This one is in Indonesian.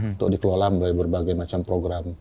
untuk dikeluarkan oleh berbagai macam program